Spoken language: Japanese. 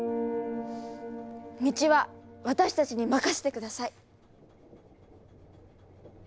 道は私たちに任せて下さい！